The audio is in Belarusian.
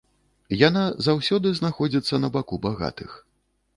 Яна заўсёды знаходзіцца на баку багатых.